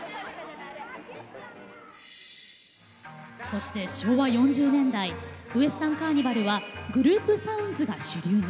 そして昭和４０年代ウエスタンカーニバルはグループサウンズが主流に。